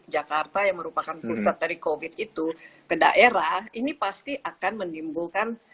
jakarta yang merupakan pusat dari covid itu ke daerah ini pasti akan menimbulkan